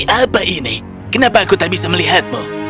apa ini kenapa aku tak bisa melihatmu